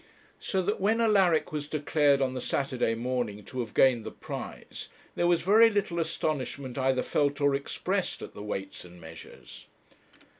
So that when Alaric was declared on the Saturday morning to have gained the prize, there was very little astonishment either felt or expressed at the Weights and Measures.